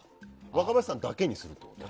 若林さんだけにするってこと？